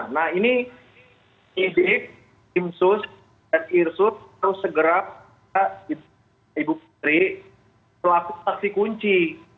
nah ini idik imsus dan irsus harus segera ibu putri melakukan paksa kunci